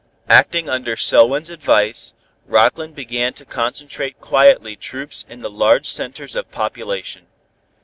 Acting under Selwyn's advice, Rockland began to concentrate quietly troops in the large centers of population.